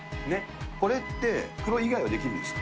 これって、黒以外はできるんですか？